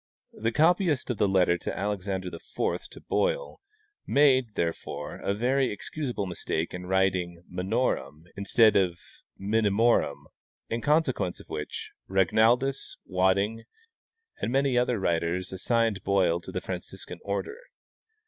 The copyist of the letter of Alexander IV to Boil made, therefore, a ver}'' excusable mistake in Avriting ' minorum ' instead of ' mini morum,' in consequence of which Ragnaldus, Wadding, and many other writers assigned Boil to the Franciscan order.